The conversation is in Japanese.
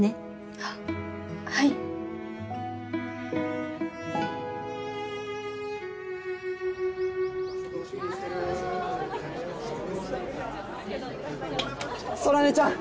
あっはい空音ちゃん！